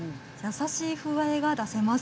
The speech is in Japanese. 優しい風合いが出せます。